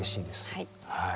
はい。